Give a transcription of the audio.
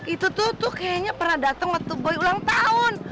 itu tuh kayaknya pernah datang waktu boy ulang tahun